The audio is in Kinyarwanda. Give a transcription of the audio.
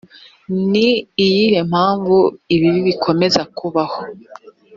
ni iyihe mpamvu ibibi bikomeza kubaho